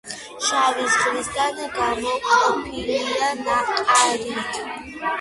შავი ზღვისგან გამოყოფილია ნაყარით.